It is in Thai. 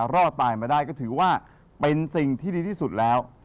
รอดตายมาได้ก็ถือว่าเป็นสิ่งที่ดีที่สุดแล้ว